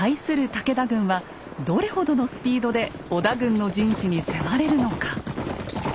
武田軍はどれほどのスピードで織田軍の陣地に迫れるのか。